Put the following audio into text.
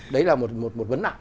đấy là một vấn đạo